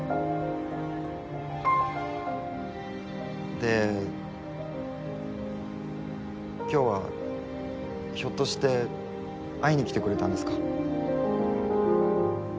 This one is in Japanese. で今日はひょっとして会いに来てくれたんですか？